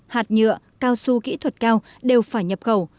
hạt nhựa cao su kỹ thuật cao đều phải nhập khẩu